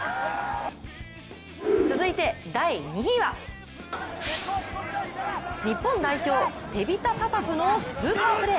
続いて第２位は日本代表・テビタ・タタフのスーパープレー。